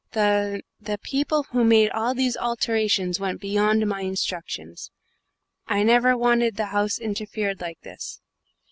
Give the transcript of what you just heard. The the people who made all these alterations went beyond my instructions. I never wanted the house interfered with like this.